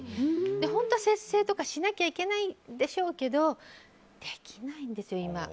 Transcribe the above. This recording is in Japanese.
本当は節制とかしなきゃいけないんでしょうけどできないんですよ、今。